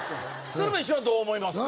鶴瓶師匠はどう思いますか？